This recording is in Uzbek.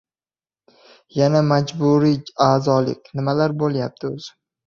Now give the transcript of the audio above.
Yana majburiy a’zolik. Nimalar bo‘lyapti o‘zi?!